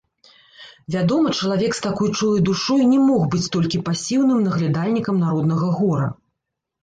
Вядома, чалавек з такой чулай душой не мог быць толькі пасіўным наглядальнікам народнага гора.